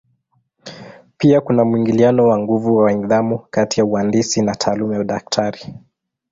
Pia kuna mwingiliano wa nguvu wa nidhamu kati ya uhandisi na taaluma ya udaktari.